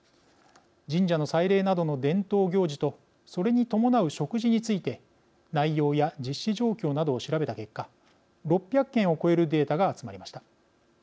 神社の祭礼などの伝統行事とそれに伴う食事について内容や実施状況などを調べた結果６００件を超えるデータが集まりました。